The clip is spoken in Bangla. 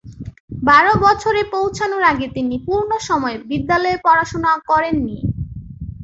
বারো বছরে পৌঁছানোর আগে তিনি পূর্ণসময় বিদ্যালয়ে পড়াশোনা করেননি।